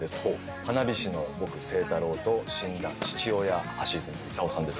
花火師の僕星太郎と死んだ父親橋爪功さんです。